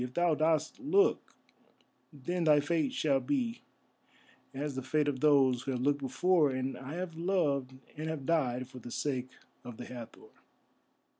If thou dost look, then thy fate shall be as the fate of those who have looked before, and have loved and have died for the sake of the Hathor."